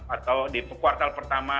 atau di kuartal pertama